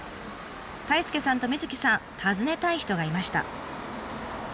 太亮さんとみずきさん訪ねたい人がいました。